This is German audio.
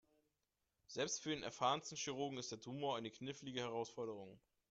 Selbst für den erfahrensten Chirurgen ist der Tumor eine knifflige Herausforderung.